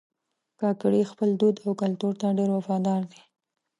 کاکړي خپل دود او کلتور ته ډېر وفادار دي.